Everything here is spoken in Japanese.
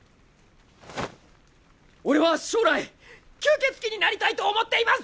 俺は将来吸血鬼になりたいと思っています！